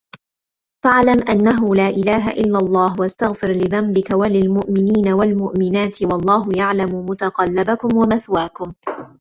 فَاعلَم أَنَّهُ لا إِلهَ إِلَّا اللَّهُ وَاستَغفِر لِذَنبِكَ وَلِلمُؤمِنينَ وَالمُؤمِناتِ وَاللَّهُ يَعلَمُ مُتَقَلَّبَكُم وَمَثواكُم